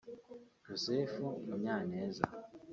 Joseph Munyaneza